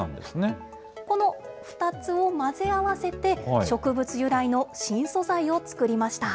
この２つを混ぜ合わせて、植物由来の新素材を作りました。